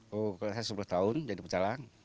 saya berusaha selama dua puluh tahun jadi pecalang